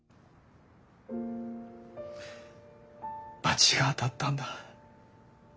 罰が当たったんだ。